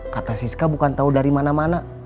kata siska bukan tahu dari mana mana